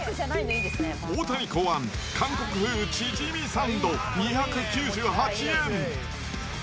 大谷考案、韓国風チヂミサンド２９８円。